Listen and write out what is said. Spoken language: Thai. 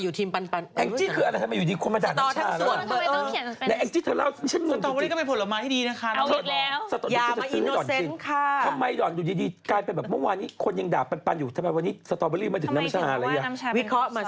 วิเคราะห์เหมาะสิ